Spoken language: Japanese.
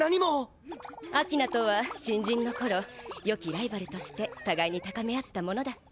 秋那とは新人の頃良きライバルとして互いに高め合ったものだ。